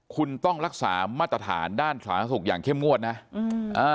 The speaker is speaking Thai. คุณต้องรักษามาตรฐานด้านสาธารณสุขอย่างเข้มงวดนะอืมอ่า